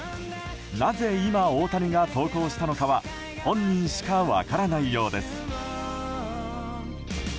なぜ今、大谷が投稿したのかは本人しか分からないようです。